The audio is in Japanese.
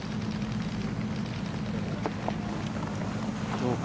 どうか。